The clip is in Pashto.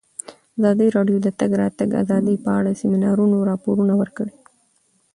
ازادي راډیو د د تګ راتګ ازادي په اړه د سیمینارونو راپورونه ورکړي.